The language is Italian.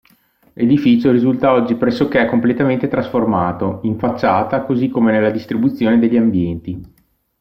L'edificio risulta oggi pressoché completamente trasformato, in facciata così come nella distribuzione degli ambienti.